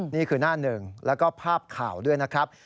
นี่คือหน้าหนึ่งแล้วก็ภาพข่าวด้วยนะครับ